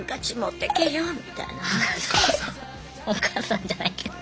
お母さんじゃないけど。